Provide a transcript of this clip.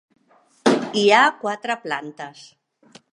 Hi ha quatre plantes.